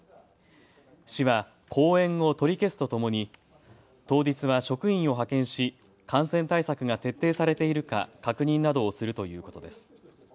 市は後援を取り消すとともに当日は職員を派遣し、感染対策が徹底されているか確認などをするということです。